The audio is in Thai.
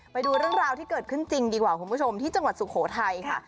ไปดูเรื่องราวที่เกิดขึ้นจริงดีกว่าคุณผู้ชมที่จังหวัดสุโขทัยค่ะ